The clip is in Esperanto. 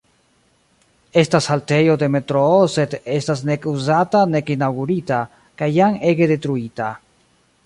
Estas haltejo de metroo sed estas nek uzata nek inaŭgurita, kaj jam ege detruita.